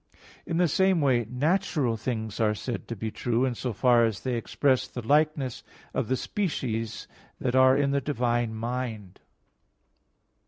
In the same way natural things are said to be true in so far as they express the likeness of the species that are in the divine mind.